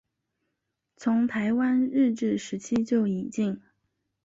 从台湾日治时期就引进。